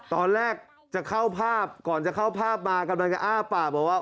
ตอนแรกจะเข้าภาพก่อนจะเข้าภาพมากำลังจะอ้าปากบอกว่า